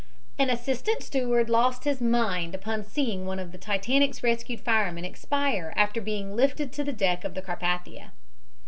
An assistant steward lost his mind upon seeing one of the Titanic's rescued firemen expire after being lifted to the deck of the Carpathia.